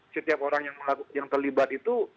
setiap orang yang terlibat itu